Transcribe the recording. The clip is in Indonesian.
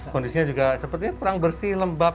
kondisinya juga sepertinya kurang bersih lembab